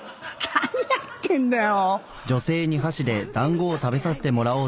何やってんだよ。